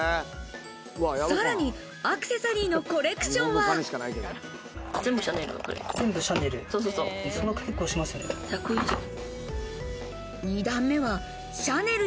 さらにアクセサリーのコレク全部シャネル。